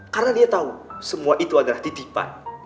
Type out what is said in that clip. karena dia tahu semua itu adalah titipan